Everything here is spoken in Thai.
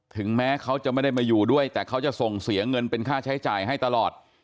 ถึงแม้เขาจะไม่ได้มาอยู่ด้วยแต่เขาจะส่งเสียเงินเป็นค่าใช้จ่ายให้ตลอด